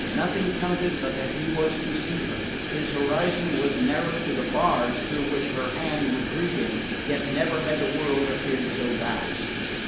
Nothing counted but that he was to see her. His horizon was narrowed to the bars through which her hand would greet him; yet never had the world appeared so vast.